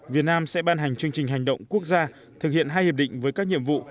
việt nam sẽ ban hành chương trình hành động quốc gia thực hiện hai hiệp định với các nhiệm vụ